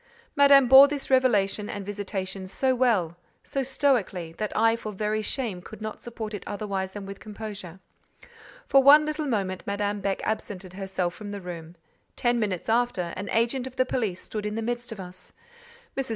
Madame bore this revelation and visitation so well, so stoically, that I for very shame could not support it otherwise than with composure. For one little moment Madame Beck absented herself from the room; ten minutes after, an agent of the police stood in the midst of us. Mrs.